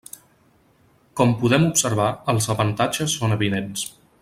Com podem observar, els avantatges són evidents.